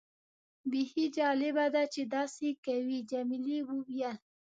بیخي جالبه ده چې داسې کوي. جميلې وويل:.